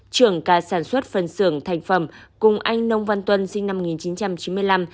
trưởng ca sản xuất phần xưởng thành phẩm cùng anh nông văn tuân sinh năm một nghìn chín trăm chín mươi năm